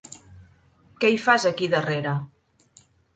Què hi fas aquí darrere?